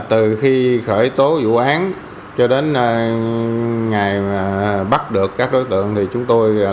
từ khi khởi tố vụ án cho đến ngày bắt được các đối tượng